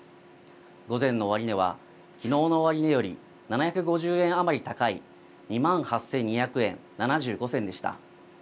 午前の終値はきのうの終値より７５０円余り高い２万８２００円７５銭でした。